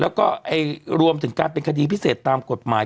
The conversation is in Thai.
แล้วก็รวมถึงการเป็นคดีพิเศษตามกฎหมาย